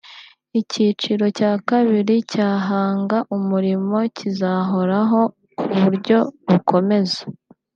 Icyiciro cya kabiri cya Hanga Umurimo cyizahoraho ku buryo bukomeza